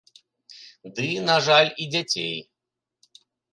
Ды, на жаль, і дзяцей.